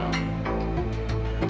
kecebur di dunia krim ini